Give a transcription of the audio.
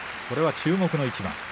これは注目の一番。